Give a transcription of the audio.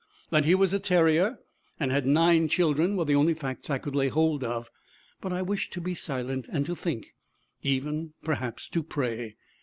That he was a 'terrier' and had nine children were the only facts I could lay hold of. But I wished to be silent and to think even, perhaps, to pray.